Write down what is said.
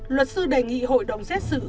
luật sư đề nghị hội đồng xét xử